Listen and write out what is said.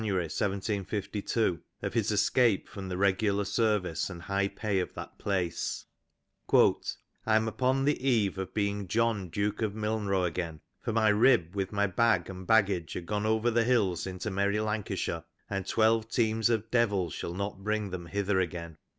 1752) of his escape from the regular service and high pay of that place :'^ I'm upon the *^ eve of being John Duke of Milnrow again, for my rib with my bag *^ and baggage are gone over the hills into merry Lancashire, and *^ twelve teams of devils shall not bring them hither again.